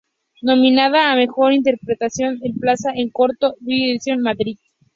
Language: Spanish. Nominada a Mejor Interpretación "El Plaza en Corto", Vª Edición, Madrid.